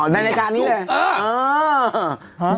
อ๋อในรายการนี้เลยเออ